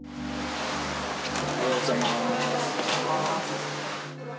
おはようございます。